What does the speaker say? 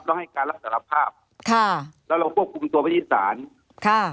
ก็ให้การรับสารภาพค่ะแล้วเราควบคุมตัวไปที่ศาลค่ะ